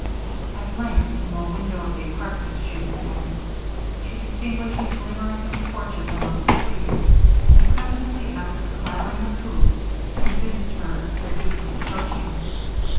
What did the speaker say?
At length, from a window of the apartment she was in, she distinguished a glimmering of torches among the trees, and presently after the clattering of hoofs convinced her the duke was approaching.